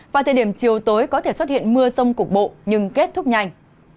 và thời điểm chiều tối có thể xuất hiện mưa rông cục bộ nhưng kết thúc nhanh